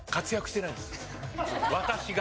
私が。